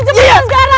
masih cepetan sekarang